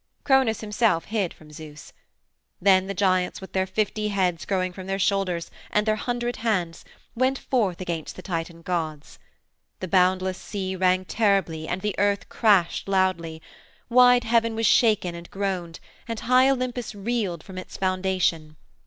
Cronos himself hid from Zeus. Then the giants, with their fifty heads growing from their shoulders and their hundred hands, went forth against the Titan gods. The boundless sea rang terribly and the earth crashed loudly; wide Heaven was shaken and groaned, and high Olympus reeled from its foundation.